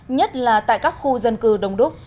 nhất là tại các khu dân cư đông đúc